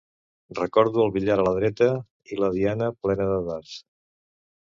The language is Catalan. Recordo el billar a la dreta i la diana plena de dards.